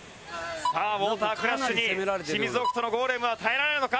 さあウォータークラッシュにシミズオクトのゴーレムは耐えられるのか？